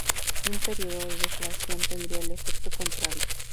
Un período de deflación tendría el efecto contrario.